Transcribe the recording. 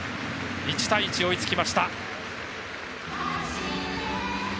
１対１、追いつきました。